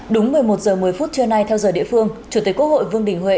đúng một mươi một h một mươi phút trưa nay theo giờ địa phương chủ tịch quốc hội vương đình huệ